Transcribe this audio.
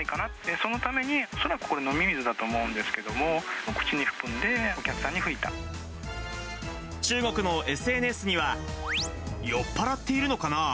そのために、恐らくこれは飲み水だと思うんですけれども、口に含んで、中国のＳＮＳには、酔っぱらっているのかな？